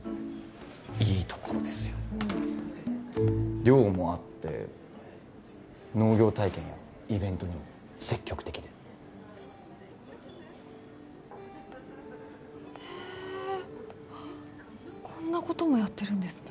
いいところですよ寮もあって農業体験やイベントにも積極的でへえこんなこともやってるんですね